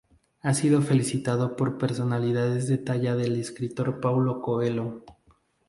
Ha sido felicitado por personalidades de la talla del escritor Paulo Coelho.